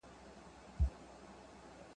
هغه بیت چي ما لیکلی و، ډېر مانا لري.